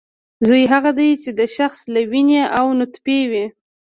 زوی هغه دی چې د شخص له وینې او نطفې وي